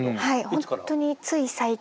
本当につい最近。